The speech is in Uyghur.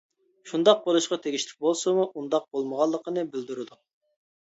شۇنداق بولۇشقا تېگىشلىك بولسىمۇ، ئۇنداق بولمىغانلىقىنى بىلدۈرىدۇ.